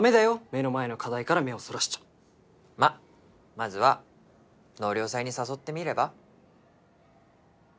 目の前の課題から目をそらしちゃまあまずは納涼祭に誘ってみれば？